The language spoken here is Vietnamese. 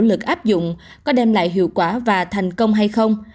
có nỗ lực áp dụng có đem lại hiệu quả và thành công hay không